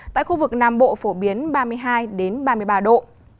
tại khu vực nam bộ phổ biến ba mươi hai ba mươi ba độ